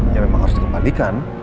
ya memang harus dikembalikan